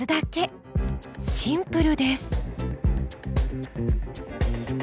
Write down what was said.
シンプルです。